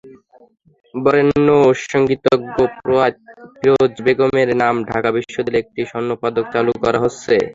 বরেণ্য সংগীতজ্ঞ প্রয়াত ফিরোজা বেগমের নামে ঢাকা বিশ্ববিদ্যালয়ে একটি স্বর্ণপদক চালু করা হচ্ছে।